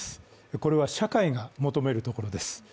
これは社会が求めるところです。